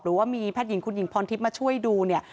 หรือว่ามีแพทย์หญิงคุณหญิงพรทิพย์มาช่วยดูเนี่ย